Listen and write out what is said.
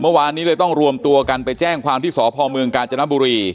เมื่อวานนี้เลยต้องรวมตัวกันไปแจ้งความที่สพเมืองกาญจนบุรี